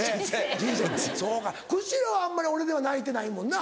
そうか久代はあんまり俺では泣いてないもんな。